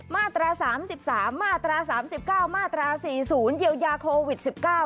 มาตรา๓๓มาตรา๓๙มาตรา๔๐เยียวยาโควิด๑๙